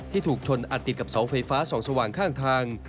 ถูกชนอัดติดกับเสาไฟฟ้าส่องสว่างข้างทาง